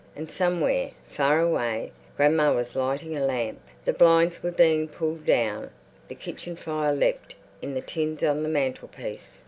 And somewhere, far away, grandma was lighting a lamp. The blinds were being pulled down; the kitchen fire leapt in the tins on the mantelpiece.